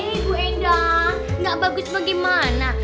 hei bu endang gak bagus bagaimana